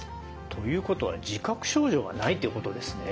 ということは自覚症状がないということですね。